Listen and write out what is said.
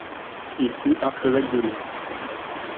Il fut archevêque de Lyon.